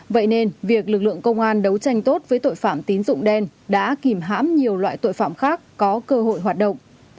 vậy nên việc lực lượng công an đấu tranh tốt với tội phạm tín dụng đen đã kìm hãm nhiều loại tội phạm khác có cơ hội hoạt động